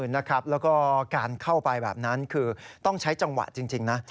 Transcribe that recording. แล้วก็การเข้าไปแบบนั้นคือต้องใช้จังหวะจริงนะ